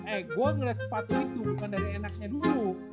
eh gue ngeliat sepatu itu bukan dari enaknya dulu